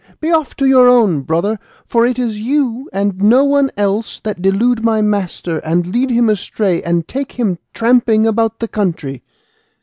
Be off to your own, brother, for it is you, and no one else, that delude my master, and lead him astray, and take him tramping about the country."